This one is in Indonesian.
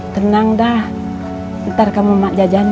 tenang dah ntar kamu mak jajanin